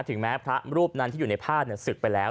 ถึงแม้พระรูปนั้นที่อยู่ในภาพศึกไปแล้ว